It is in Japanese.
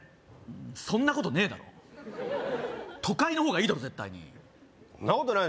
そんなことねえだろ都会の方がいいだろ絶対にそんなことないよ